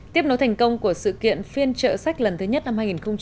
tiếp nối thành công của sự kiện phiên trợ sách lần thứ nhất năm hai nghìn một mươi chín